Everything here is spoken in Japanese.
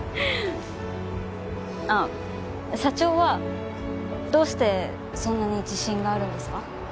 あっ社長はどうしてそんなに自信があるんですか？